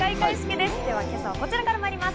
では今朝はこちらからまいります。